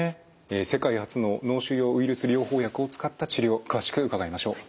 世界初の脳腫瘍ウイルス療法薬を使った治療詳しく伺いましょう。